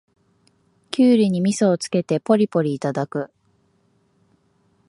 キュウリにみそをつけてポリポリいただく